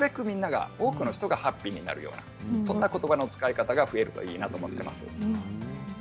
みんなが、多くの人がハッピーになるようなそんなことばの使い方が増えるといいなと思っています。